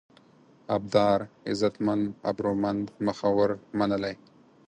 ابدار: عزتمن، ابرومند ، مخور، منلی